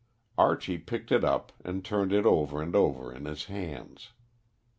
Archie picked it up and turned it over and over in his hands.